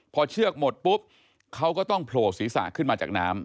พอเชือกหมดปุ๊บเขาก็ต้องโผล่ศีรษะขึ้นมาจากน้ำ